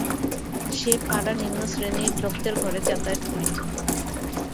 সে পাড়ার নিম্নশ্রেণীর লোকদের ঘরে যাতায়াত করিত।